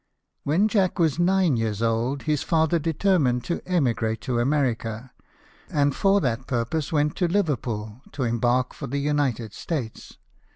When Jack was nine years old, his father determined to emigrate to America, and for that purpose went to Liverpool to embark for the United States.